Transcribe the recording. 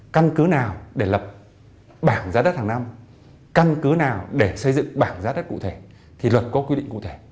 căn cứ nào để lập bảng giá đất hàng năm căn cứ nào để xây dựng bảng giá đất cụ thể thì luật có quy định cụ thể